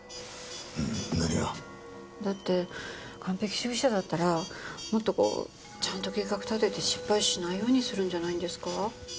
何が？だって完璧主義者だったらもっとこうちゃんと計画立てて失敗しないようにするんじゃないんですか？